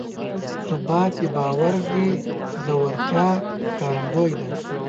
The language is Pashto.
ثبات د باور د ژورتیا ښکارندوی دی.